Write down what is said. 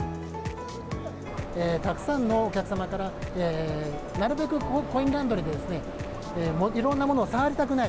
たくさんのお客様から、なるべくコインランドリーで、いろんなものを触りたくない。